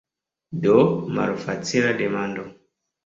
Do, malfacila demando.